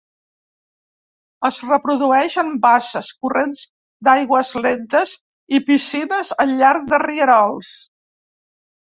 Es reprodueix en basses, corrents d'aigües lentes i piscines al llarg de rierols.